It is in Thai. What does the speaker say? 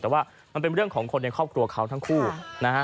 แต่ว่ามันเป็นเรื่องของคนในครอบครัวเขาทั้งคู่นะฮะ